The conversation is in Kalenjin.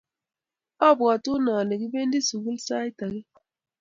Abwatun ale kipendi sugul sait age.